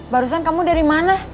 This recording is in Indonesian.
barusan kamu dari mana